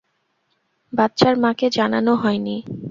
বাচ্চার মাকে জানান হয় নি।